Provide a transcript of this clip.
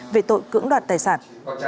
về tội cưỡng đoạt tài sản